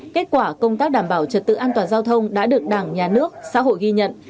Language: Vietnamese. kết quả công tác đảm bảo trật tự an toàn giao thông đã được đảng nhà nước xã hội ghi nhận